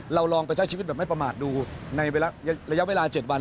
ลองไปใช้ชีวิตแบบไม่ประมาทดูในระยะเวลา๗วัน